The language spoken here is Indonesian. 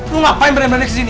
lo ngapain beran beranik kesini